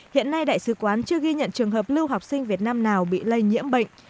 hiện nay đại sứ quán chưa ghi nhận trường hợp lưu học sinh việt nam nào bị lây nhiễm bệnh